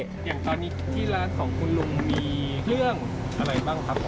อย่างตอนนี้ที่ร้านของคุณลุงมีเรื่องอะไรบ้างครับ